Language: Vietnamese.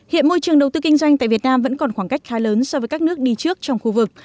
hiện môi trường đầu tư kinh doanh tại việt nam vẫn còn khoảng cách khá lớn so với các nước đi trước trong khu vực